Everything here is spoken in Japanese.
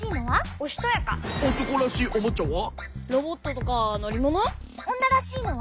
おんならしいのは？